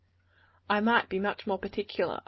I might be much more particular.